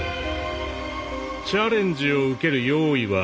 「チャレンジを受ける用意はある。